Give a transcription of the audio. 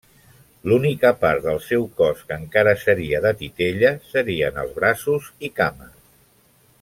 L'única part del seu cos que encara seria de titella serien els braços i cames.